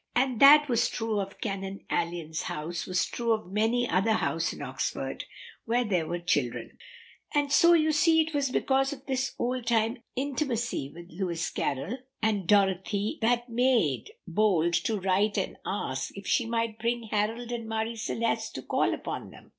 And what was true of Canon Allyn's house was true of many another house in Oxford where there were children; and so you see it was because of this old time intimacy with Lewis Carroll that Dorothy had made bold to write and ask if she might bring Harold and Marie Celeste to call upon him.